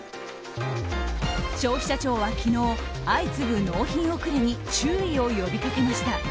消費者庁は昨日相次ぐ納品遅れに注意を呼びかけました。